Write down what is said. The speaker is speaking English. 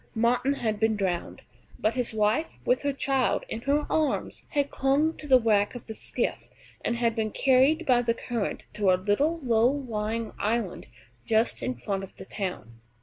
Martin had been drowned, but his wife, with her child in her arms, had clung to the wreck of the skiff, and had been carried by the current to a little low lying island just in front of the town.